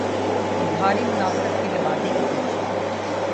تو بھاری منافقت کے لبادے کے پیچھے۔